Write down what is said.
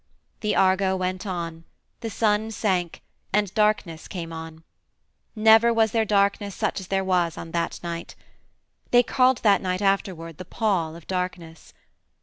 The Argo went on; the sun sank, and darkness came on. Never was there darkness such as there was on that night. They called that night afterward the Pall of Darkness.